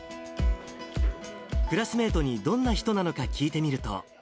クラスメートにどんな人なのか聞いてみると。